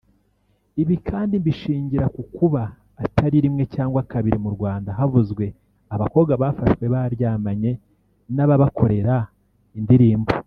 Ibi kandi mbishingira ku kuba atari rimwe cyangwa kabiri mu Rwanda havuzwe abakobwa bafashwe baryamanye n’ababakorera indirimbo